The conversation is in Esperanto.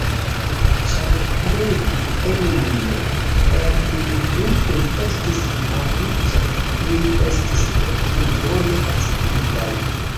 Ĉar plej el le enmigrintoj estis malriĉaj, Ili estis ne tiom bone akceptitaj.